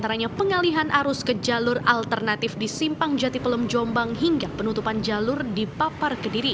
sebenarnya pengalihan arus ke jalur alternatif di simpang jatipelem jombang hingga penutupan jalur dipapar ke diri